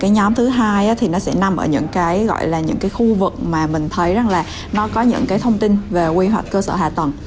năm hai nghìn hai mươi một đất nền sẽ nằm ở những khu vực mà mình thấy có những thông tin về quy hoạch cơ sở hạ tầng